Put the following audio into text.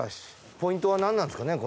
ポイントはなんなんですかね？